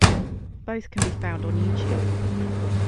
Both can be found on YouTube.